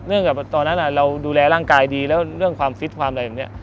กับตอนนั้นเราดูแลร่างกายดีแล้วเรื่องความฟิตความอะไรแบบนี้